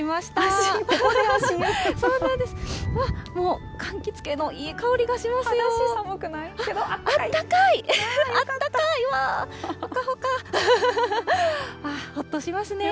もうかんきつ系のいい香りがしますよ。